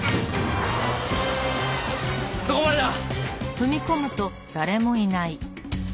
そこまでだ！